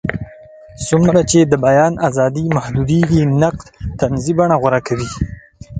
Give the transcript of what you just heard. څومره چې د بیان ازادي محدودېږي، نقد طنزي بڼه غوره کوي.